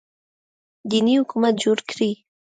دیني حکومت جوړ کړي